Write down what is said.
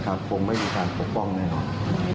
คงไม่มีการปกป้องแน่นอน